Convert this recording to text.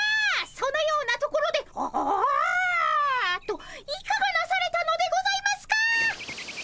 そのようなところで「ああ」といかがなされたのでございますか？